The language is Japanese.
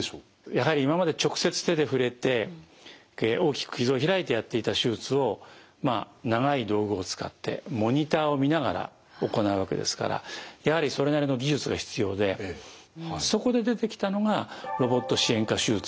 やはり今まで直接手で触れて大きく傷を開いてやっていた手術を長い道具を使ってモニターを見ながら行うわけですからやはりそれなりの技術が必要でそこで出てきたのがロボット支援下手術ということになるんですね。